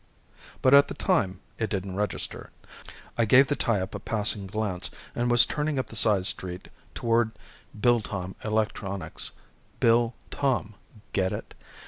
But at the time it didn't register. I gave the tie up a passing glance and was turning up the side street toward Biltom Electronics Bill Tom, get it?